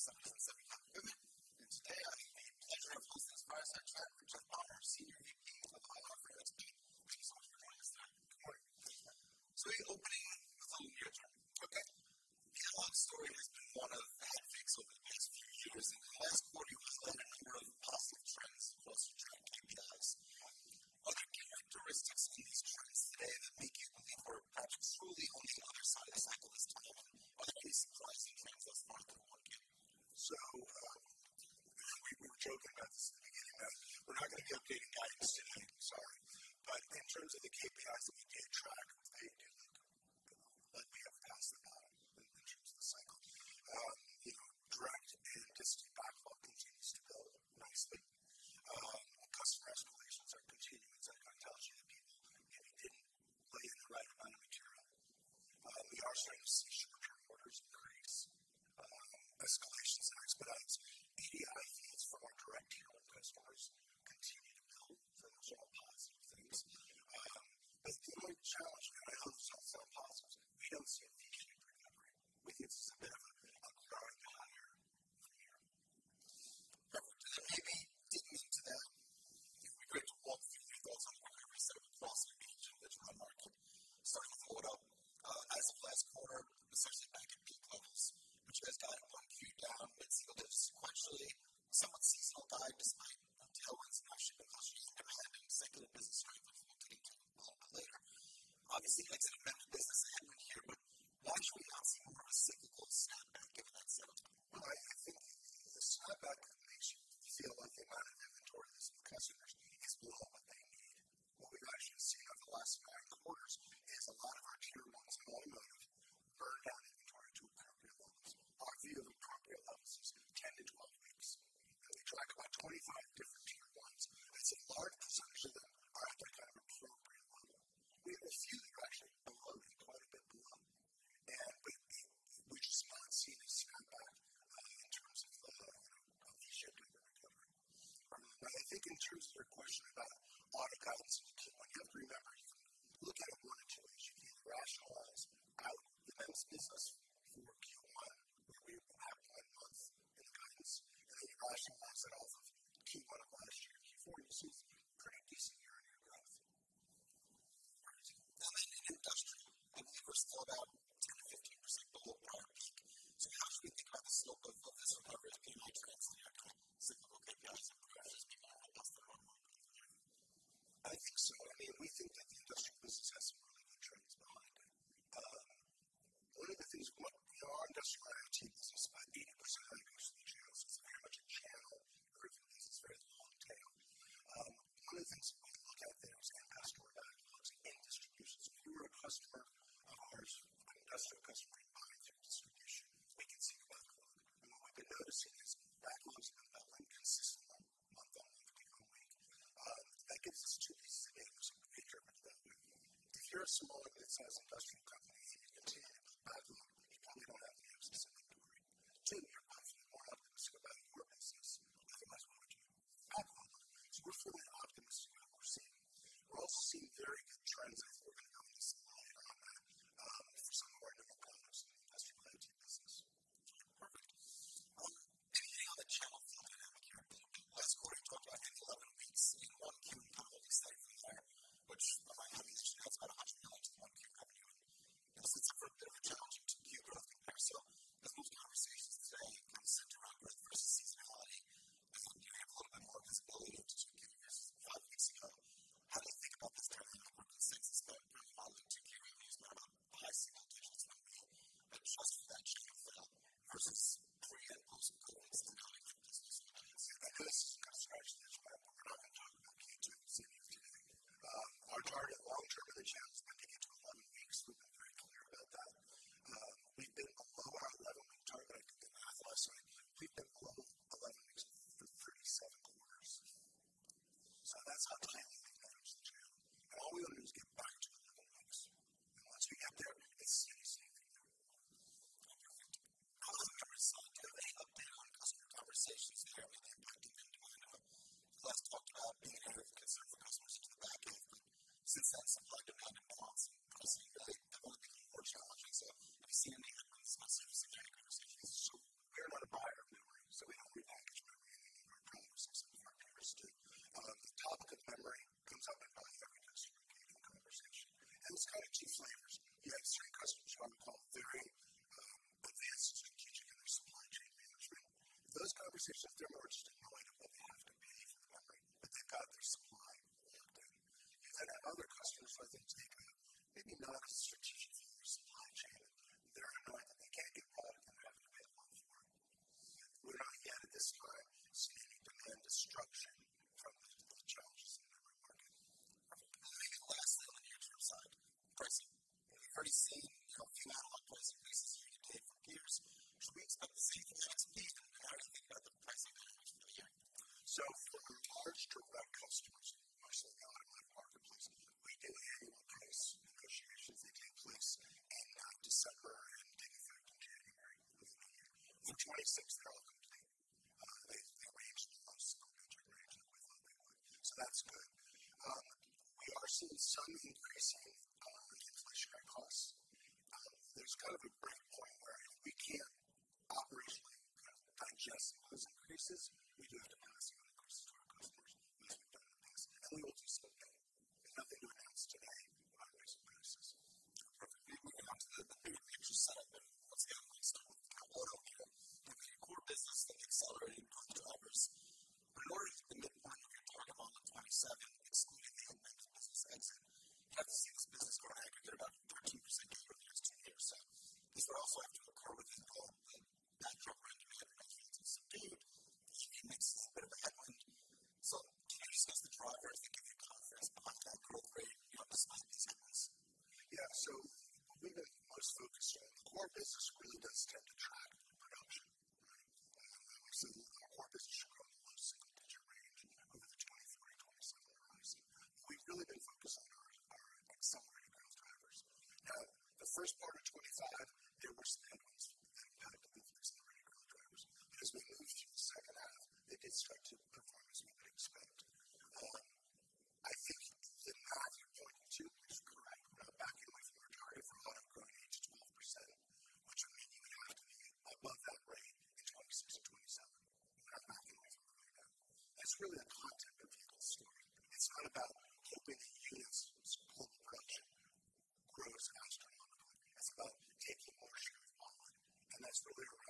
Good Morning all. I am Matthew Prisco, Analyst from Cantor Fitzgerald covering Semiconductor & Semiconductor Equipment. Today I have the pleasure of hosting fireside chat with Jeff Palmer, Senior VP of IR for NXP. Thank you so much for joining us today. Good Morning. Thank you Matt. We are opening before near term. NXP has one of the head-fix over the past few years and last quarter you have highlighted number of positive trends across to track KPIs. Are the characteristics in these trends today that they make you believe we're truly on the other side of the cycle this time. And are there any surprise in trends as far through 1Q? We were joking at the beginning that we're not going to keep updating guidance today. Sorry. In terms of the KPIs that we can track, for Q1. We have five months in which it's rationalizing off of Q1 of last year for you to see pretty decent year-on-year growth. Now the industry, I think we're still down 10%-15% below prior peak. How should we think about the slope of this recovery in terms of cyclicality versus the bottom of the normal? I think so. I mean, we think that the Industrial business has some really good trends behind it. One of the things we look at, as described to you, is how much channel inventory is very long tail. One of the things we look at is our end customer backlogs in distribution. If you're a customer of ours, an Industrial customer, you buy through distribution, we can see your backlog. What we've been noticing is backlogs have been building consistently month-over-month, week-on-week. That gives us two signals. We interpreted that way. If you're a smaller mid-sized Industrial company, you continue to have backlog and you probably don't have the access inventory. Two, you're confident about the rest of your business. You don't have much backlog. We're fully optimistic on what we're seeing. We're also seeing very good trends in did start to perform as we had expected. I think the path you pointed to is correct. Back end of 4%-5% growth range to low double-digit %, which would mean we have to be above that rate in 2026, 2027. That's my view. It's really a content-enabled story. It's not about auto units. It's hope production grows faster than online. It's about you take the market share online, and that's delivered by higher ASPs, higher volume. You know, we've built award-winning chips and now those are going into these automotive platforms. I agree. Maybe fabs in general suffer from a bit closure. Those two years were more than any of those players that have been working on being there. Our process is quite different from those. What I think differentiates us, I think what drives customers to us are 2 things, our IP process from the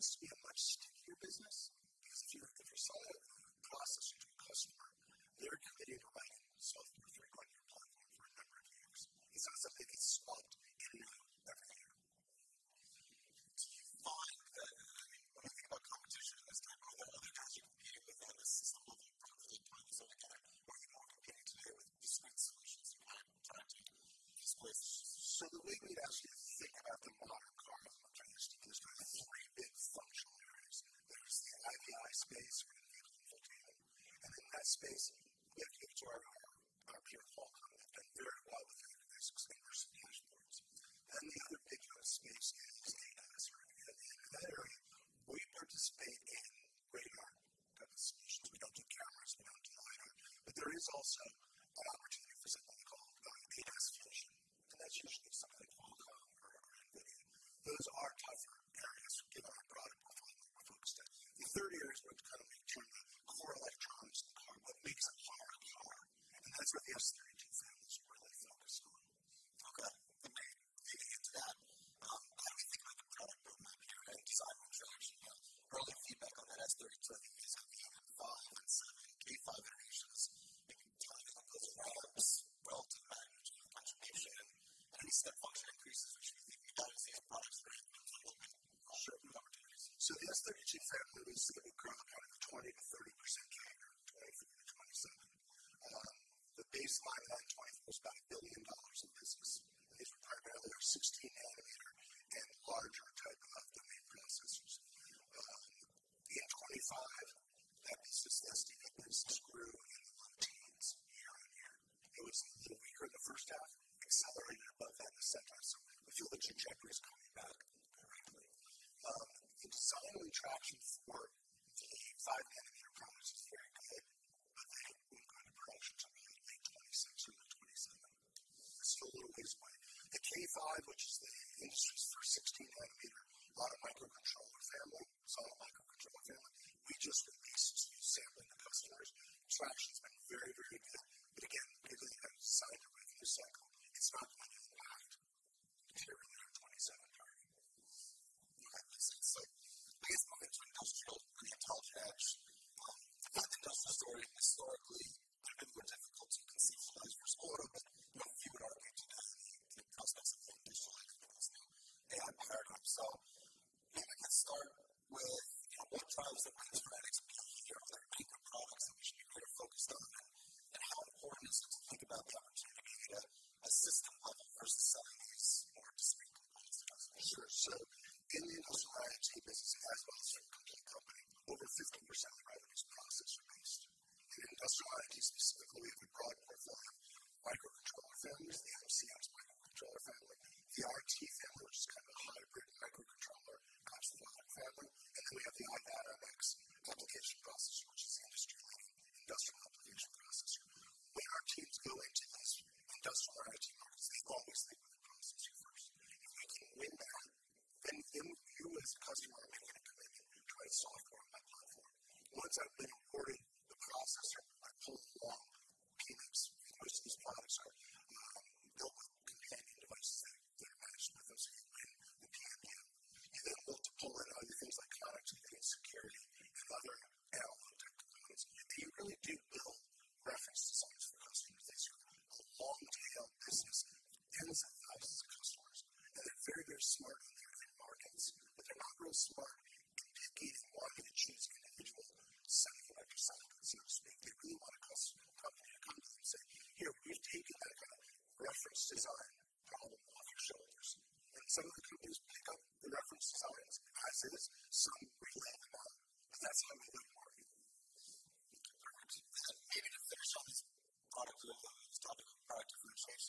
on a new design car, we can guarantee performance on this front. There's a long path to that. That makes sense. Tends to be a much stickier business if you're selling a processor to a customer. They're committed to buying software for 3 or 5 or 10 or 15, 20 years. These are stuff they get swapped in very rarely. Do you find that when you think about competition in this time, all the other guys are competing with that system a hundred times over? Or are you more getting to where it's niche solutions you're trying to do? The way we actually think about the modern car electronics, there's kind of three big functional areas. There's the ADAS space, and in for the away. The S32K5, which is the industry's first 16-nm logic microcontroller family, a solid microcontroller family. We just released sampling to customers. Traction's been very, very good. But again, it is a design win cycle. It's not based on Intel's pretax cash. I think Industrial has already historically been more difficult to see because it is more order driven. But even our 18F gives us some additional visibility into that. Yeah. Maybe let's start with what drives the customer to come to your door. People problems that you're focused on and how important it is to think about the architecture that assists in the first set of use cases or to speak more about this custom er. Sure. In the Industrial IoT business, as Bob said earlier, probably over 50% of the products are processor-based. In Industrial IoT specifically, we brought out one microcontroller family, the MCX microcontroller family, the i.MX RT family, which is kind of a hybrid microcontroller/microprocessor family. We have the i.MX application processor, which is an industry-leading Industrial application processor. When our teams go into this Industrial IoT process, they always think of the processor first. If I can win that, then you as a customer are able to innovate and write software on that platform. Once we've imported the processor, we pull along PMICs because these products are built to be devices that manage the physical world. They can be either built to power other things like connected vehicle security and other analog technologies. You really do build reference designs for customers. It's a long tail business that depends on thousands of customers that are very, very smart in different markets, but they're not really smart in the marketing machines connected to over 700,000 designs. We make a lot of custom development kits that say, "Here, we'll take that reference design problem off your shoulders." Some of the companies pick up the reference design as, I say this, some blank product, but that's how many we've brought to them. Getting to finish off this product group, product group resource.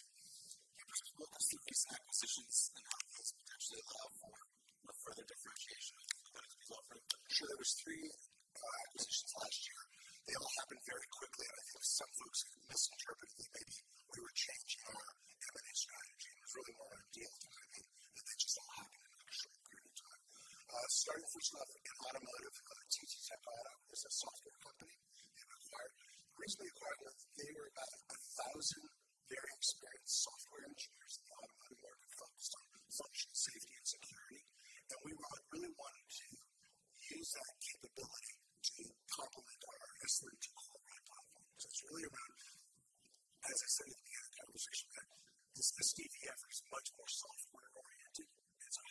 What recent acquisitions and how those potentially allow more further differentiation that bodes well for the future? Sure. There were 3 acquisitions last year. They all happened very quickly, and I think some folks misinterpreted that maybe we were changing our M&A strategy and throwing a lot of deals. I think they just all happened in a short period of time. Starting first with an automotive, TTTech Auto is a software company we acquired. Key partner, they were about 1,000 very experienced software engineers in the automotive world focused on functional safety and security. We really wanted to use that capability to complement our S32 platform, because it's really around, as I said at the beginning of the conversation today, this DPF is much more software-oriented.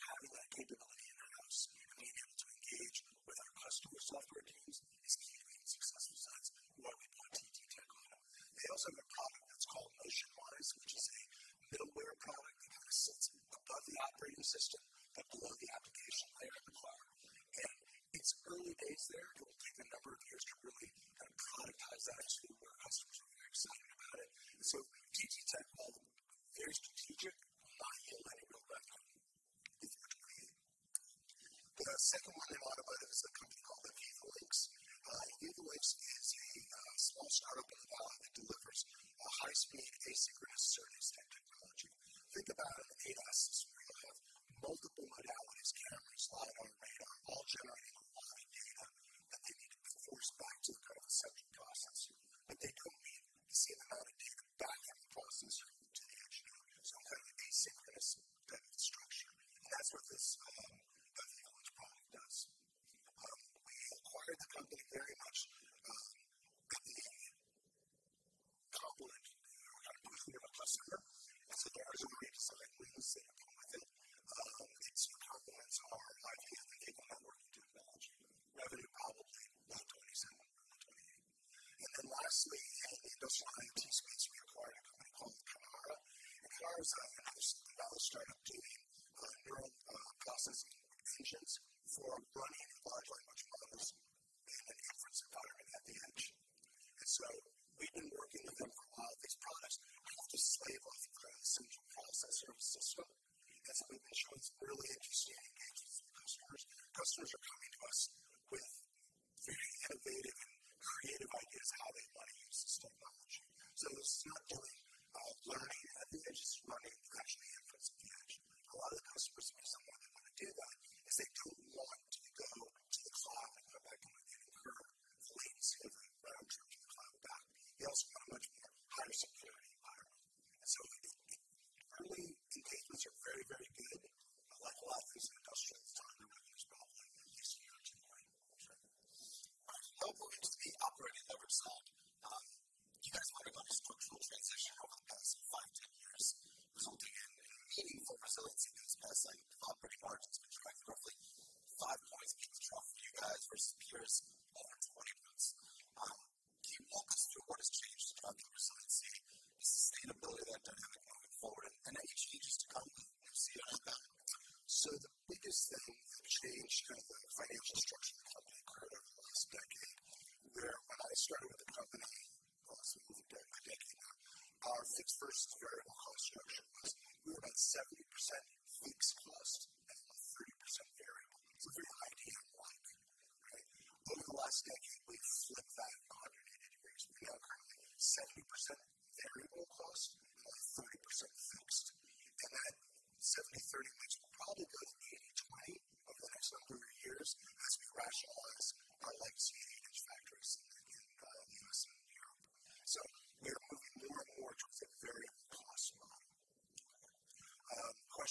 Having that capability in our house and being able to engage with our customer software teams is key to being successful. That's why we bought TTTech Auto. They also have a product that's called MotionWise, which is a middleware product that sits above the operating system, but below the application layer of the cloud. It's early days there. It'll take a number of years to really kind of quantify that into where customers are excited about it. TTTech Auto, very strategic behind the level of that company. The second one in automotive is a company called Aviva Links. Aviva Links is a small startup in Utah that delivers a high-speed asynchronous serial technology. Think about ADAS, multiple modalities, cameras, lidar, radar, all generating a lot of data that they need to fuse back to the central processor, but they don't need the same amount of data back in the process to the edge node. Kind of asynchronous data structure, and that's what this, Aviva Links product does. We acquired the company very much to complement our existing customer set. There is a great synergy there. It's hard to put a time frame on it. Revenue probably not till at least 2028. Lastly, in Industrial IoT space, we acquired a company called Kinara. Kinara is a small startup doing neural process engines for running large models at the edge, at the inference power at the edge. We've been working with them. A lot of these products just slave off the central processor. That's been interesting. It's really interesting engaging with customers. Customers are coming to us with very innovative creative ideas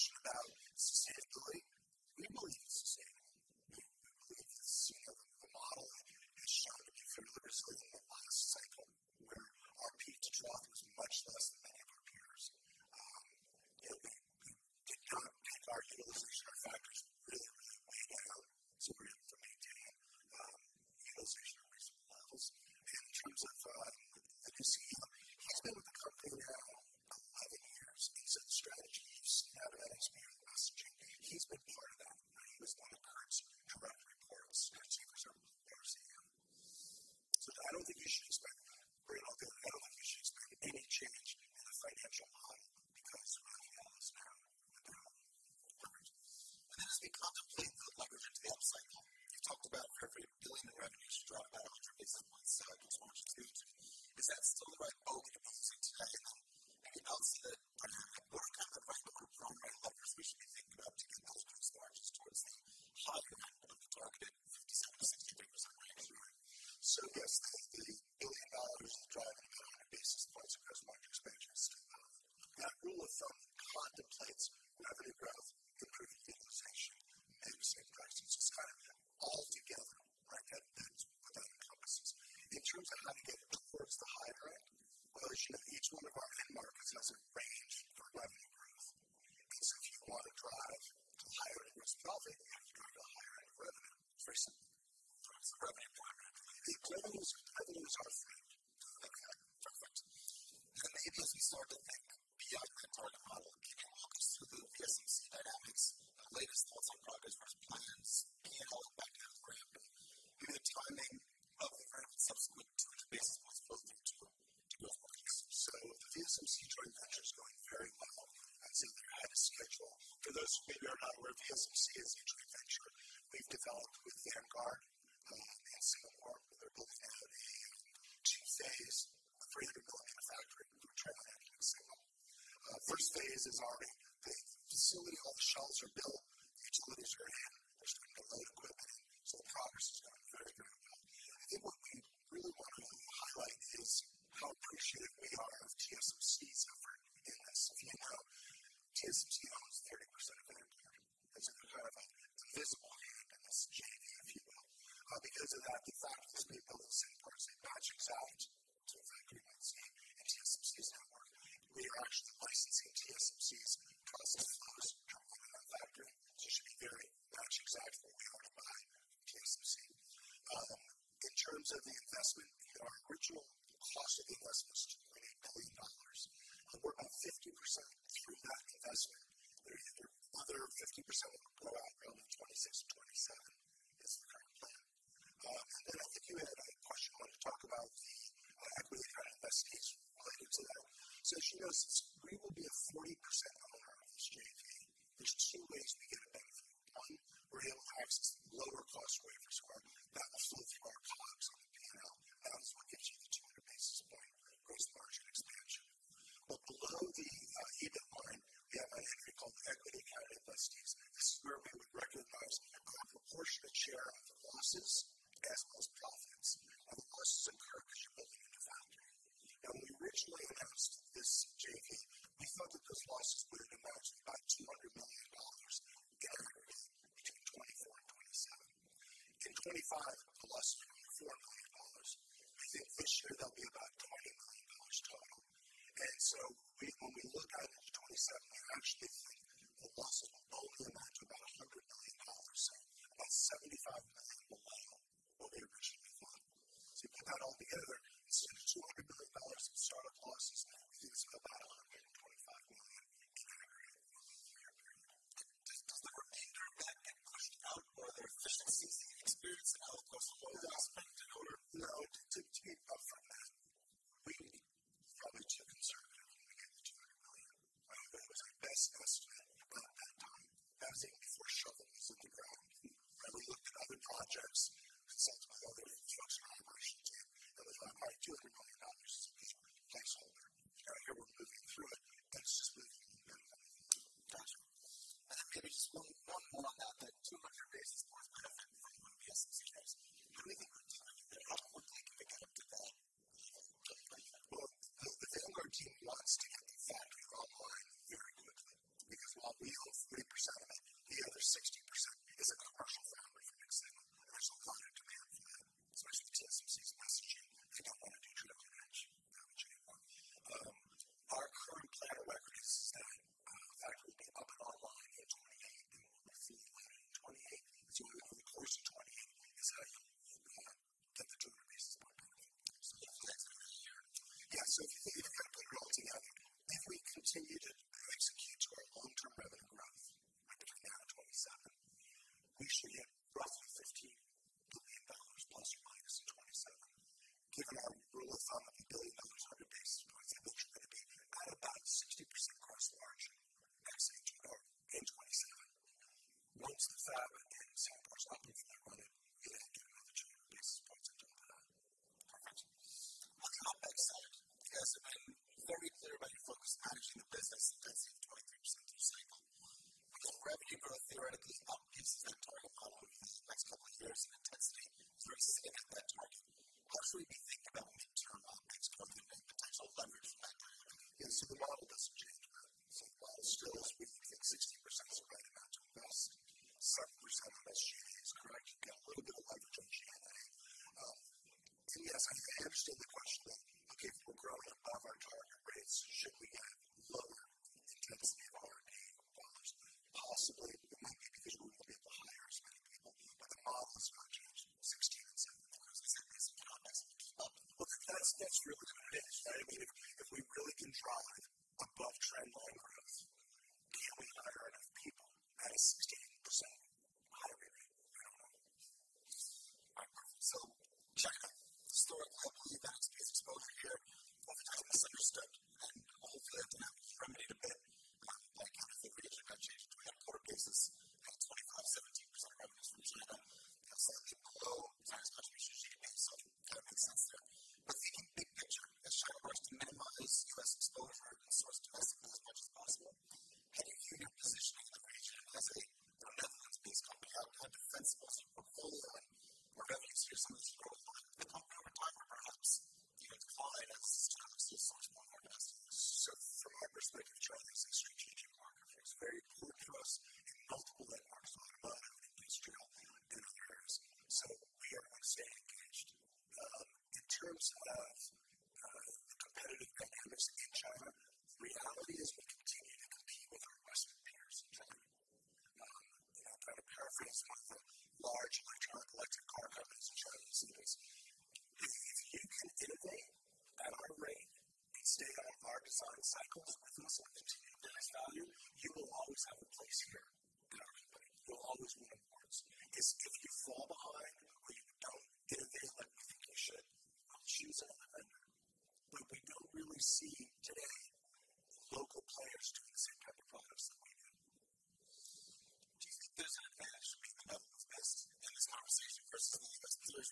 image factories. We're moving forward with a very positive outlook. Question about sustainability. We believe in sustainable model having been shown differently over the last cycle where our peak to trough was much less than that of our peers. You know, we did kind of pick our utilization factors really down. We're able to maintain utilization at reasonable levels. In terms of the CEO, he's been with the company now 11 years. The strategy you see not at NXP, he's been part of that. He was one of Kurt's direct reports at when he was there. I don't think you should expect a great deal. I don't think there's any change in the financial model because of this. As we contemplate the recovery from the upcycle, you talked about revenue growth dropping based on what cycles 1-2. Is that still the right model to use today? You know, instead when you look at the revenue per design by customers, we should be thinking about getting it towards the higher end of the target 57%-63% range. So yes, the $1 billion in revenue on a per unit basis drives gross margin expansion. That rule of thumb contemplates revenue growth, the plant utilization and safety factors as kind of all together like that is within the parentheses. In terms of how to get it towards the high end, well each one of our end markets has a range for revenue growth. If you want to drive to higher end result, you have to go to higher end revenue. Very simple. The exhibits are free to look at and reference. The numbers that show the timing beyond the target model came to us with the business case. Latest thoughts on progress versus plans and held back to the ground due to the timing of the subsequent test results from the exposure in June. TSMC joint venture is going very well, ahead of schedule. For those who maybe are not aware of the TSMC joint venture they've developed with Vanguard in Singapore, where they're looking at a two-phase, $3 billion fab ready to be transplanted to Singapore. First phase is already quarter basis,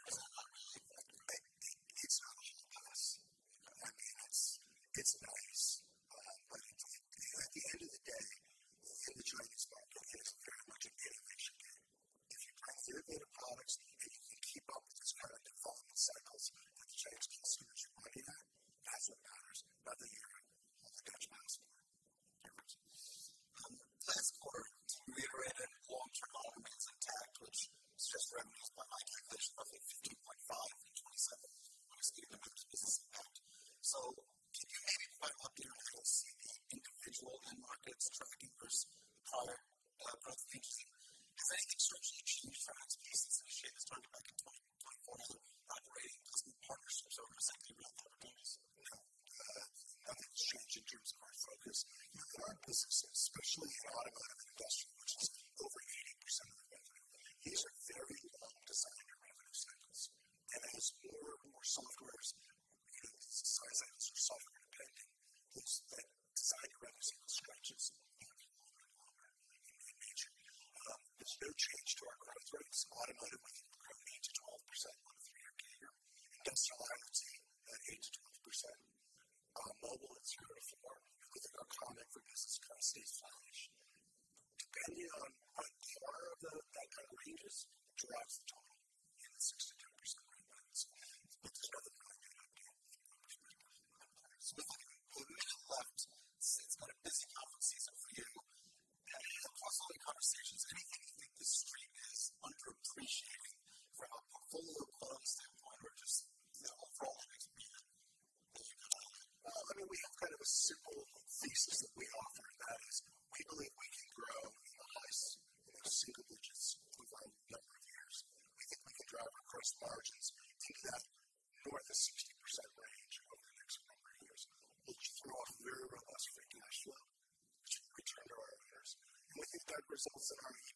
25%, 17% revenue 6%-10% range. Just one other point, we had 220 members with over 2,000 seats at a busy conference season for you. Across all the conversations, do you think that the street is underappreciating the portfolio of products that you offer just overall? I mean, we have kind of a simple thesis that we offer, and that is we believe we can grow in the highest single digits over a number of years. We think we can drive gross margins, take that to more like the 16% range over years and over years, which will allow very robust free cash flow, which we return to our investors. We think that results